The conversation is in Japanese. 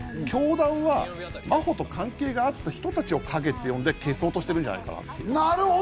教団は真帆と関係があった人たちを陰と呼んで消そうとしてるんじゃないかと。